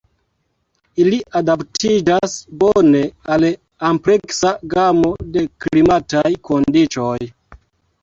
Ili adaptiĝas bone al ampleksa gamo de klimataj kondiĉoj.